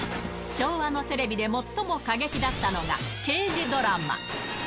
昭和のテレビで最も過激だったのが、刑事ドラマ。